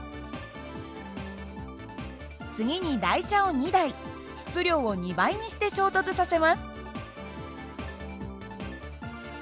次に台車を２台質量を２倍にして衝突させます。